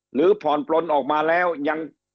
หรือผ่อนปลนออกมาแล้วยัง